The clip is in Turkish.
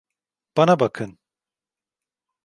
Bana bakın.